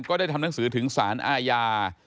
ได้ทำหนังสือถึงสารอาญา